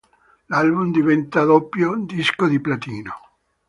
L'album diventa doppio disco di platino.